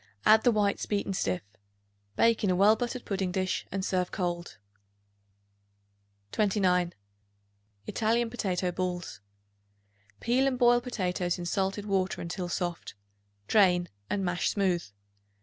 Add the whites beaten stiff. Bake in a well buttered pudding dish and serve cold. 29. Italian Potato Balls. Peel and boil potatoes in salted water until soft; drain, and mash smooth.